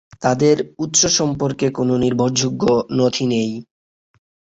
তাদের উৎস সম্পর্কে কোন নির্ভরযোগ্য নথি নেই।